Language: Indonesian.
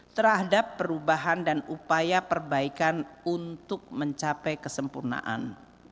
terhadap perubahan dan upaya perbaikan untuk mencapai kesempurnaan